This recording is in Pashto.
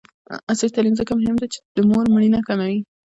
عصري تعلیم مهم دی ځکه چې د مور مړینه کموي.